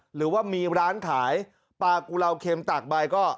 หรือว่ามีร้านขายปลากุลาวเค็มตากใบก็